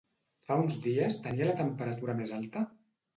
Fa uns dies tenia la temperatura més alta?